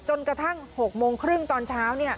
จนกระทั่ง๖โมงครึ่งตอนเช้า